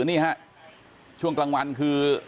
นี่ฮะช่วงกลางวันคือ